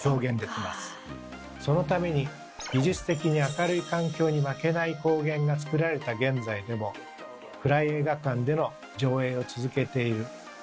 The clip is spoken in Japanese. そのために技術的に明るい環境に負けない光源が作られた現在でも暗い映画館での上映を続けているということです。